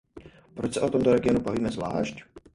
Proč se o tomto regionu bavíme zvlášť?